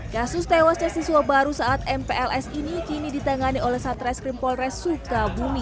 kasus tewasnya siswa baru saat mpls ini kini ditangani oleh satreskrim polres sukabumi